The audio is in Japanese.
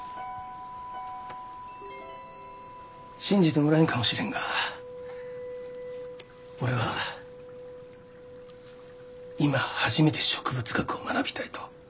信じてもらえんかもしれんが俺は今初めて植物学を学びたいと。